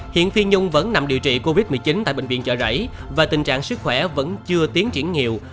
hiện phi nhung vẫn nằm điều trị covid một mươi chín tại bệnh viện chợ rẫy và tình trạng sức khỏe vẫn chưa tiến triển nhiều